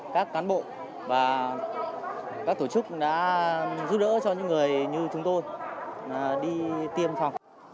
các cán bộ và các tổ chức đã giúp đỡ cho những người như chúng tôi đi tiêm phòng